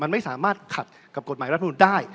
มันไม่สามารถขัดกับกฎหมายรัฐมนุนได้